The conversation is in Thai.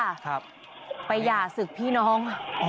ครับไปหย่าศึกพี่น้อง